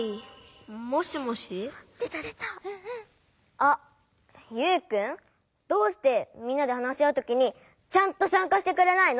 あっユウくん？どうしてみんなで話し合うときにちゃんとさんかしてくれないの？